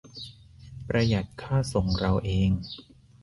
- ประหยัดค่าส่งเราเอง